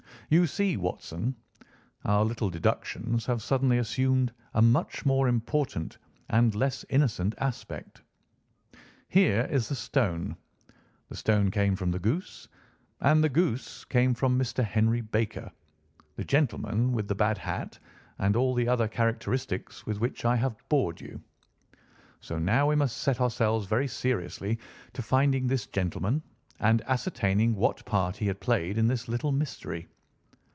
You see, Watson, our little deductions have suddenly assumed a much more important and less innocent aspect. Here is the stone; the stone came from the goose, and the goose came from Mr. Henry Baker, the gentleman with the bad hat and all the other characteristics with which I have bored you. So now we must set ourselves very seriously to finding this gentleman and ascertaining what part he has played in this little mystery.